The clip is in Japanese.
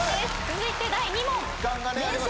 続いて第２問。